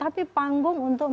tapi panggung untuk